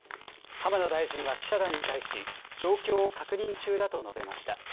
浜田大臣は記者団に対し、状況を確認中だと述べました。